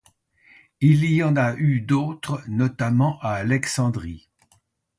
Il y en a eu d'autres, notamment à Alexandrie.